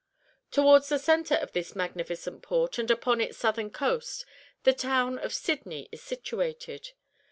"Towards the centre of this magnificent port, and upon its southern coast, the town of Sydney is situated.